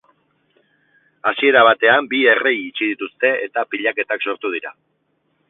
Hasiera batean, bi errei itxi dituzte eta pilaketak sortu dira.